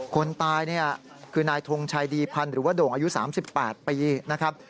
คนตายเนี่ยคือนายทงชัยดีพันธ์หรือว่าโด่งอายุ๓๘ปีนะครับ